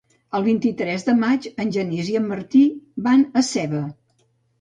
El vint-i-tres de maig en Genís i en Martí van a Seva.